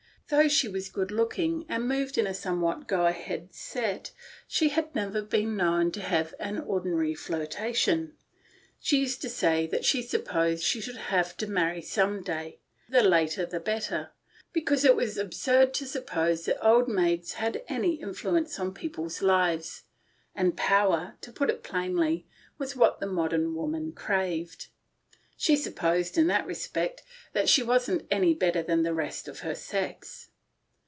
Though she was good looking and moved in a somewhat go ahead set, she had never been known to have an ordinary flirta tion. She used to say that she supposed that she should have to marry some day — the later the better — because it was absurd to suppose that old maids had any influence on people's lives ; and Power, to put it plainly, A KETTLEDRUM AT LADY JANE'S. 101 was what the modern woman graved. She supposed, in that respect, that she wasn't any better than the rest of her sex.